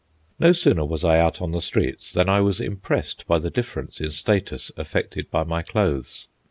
No sooner was I out on the streets than I was impressed by the difference in status effected by my clothes.